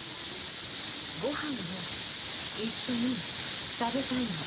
ご飯を一緒に食べたいの。